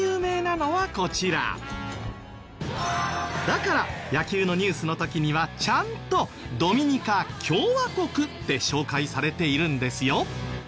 だから野球のニュースの時にはちゃんとドミニカ共和国って紹介されているんですよ。